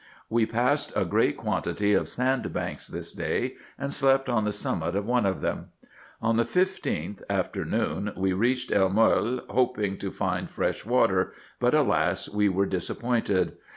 We passed a great quan tity of sand banks this day, and slept on the summit of one of them. On the 15th, after noon, we reached El Moele, hoping to find IN EGYPT, NUBIA, Sec. 433 fresh Mater, but, alas ! we were disappointed.